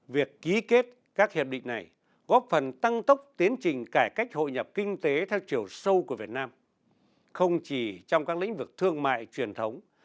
việc ký kết các hiệp định này góp phần tăng tốc tiến trình cải cách hội nhập kinh tế theo chiều sâu của việt nam không chỉ trong các lĩnh vực thương mại truyền thống